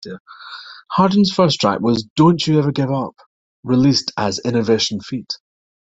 Harden's first track was "Don't You Ever Give Up", released as Innervision feat.